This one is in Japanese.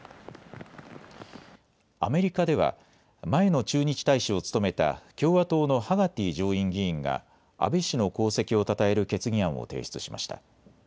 アメリカでは前の駐日大使を務めた共和党のハガティ上院議員が安倍氏の功績をたたえる決議案を提出しました。